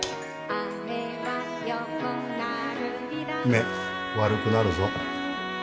目悪くなるぞ。